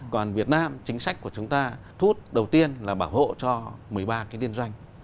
còn việt nam chính sách của chúng ta thu hút đầu tiên là bảo hộ cho một mươi ba cái liên doanh